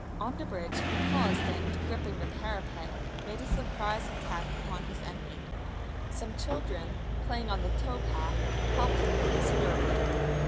On the bridge he paused and, gripping the parapet, made a surprise attack upon his enemy. Some children, playing on the tow path, helped him considerably.